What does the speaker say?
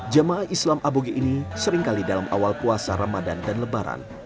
jemaah islam aboge ini seringkali dalam awal puasa ramadan dan lebaran